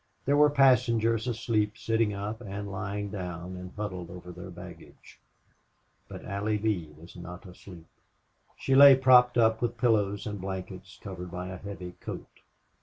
There were passengers asleep sitting up and lying down and huddled over their baggage. But Allie Lee was not asleep. She lay propped up with pillows and blankets, covered by a heavy coat.